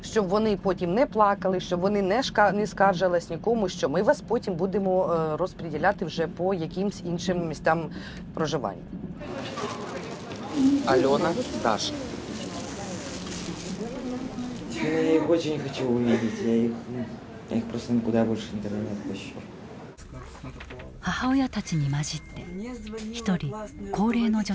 母親たちに交じって一人高齢の女性がいた。